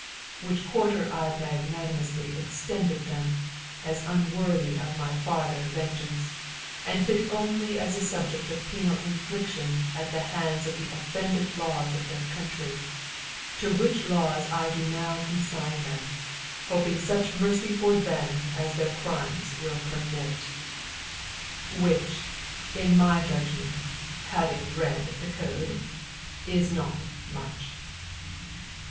which quarter I magnanimously extended them, as unworthy of my farther vengeance, and fit only as subject of penal infliction at the hands of the offended laws of their country, to which laws I do now consign them, hoping such mercy for them as their crimes will permit; which, in my judgment (having read the code) is not much.